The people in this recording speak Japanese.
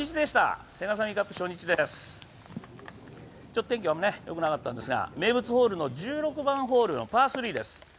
ちょっと天気はよくなかったんですが、名物ホールの１６番ホールのパー３です。